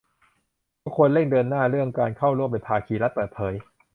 ก็ควรเร่งเดินหน้าเรื่องการเข้าร่วมเป็นภาคีรัฐเปิดเผย